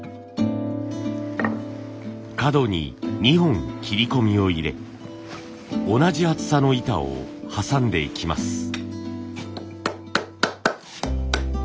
角に２本切り込みを入れ同じ厚さの板を挟んでいきます。